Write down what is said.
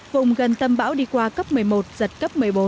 vùng gần tâm bão đi qua cấp một mươi một giật cấp một mươi bốn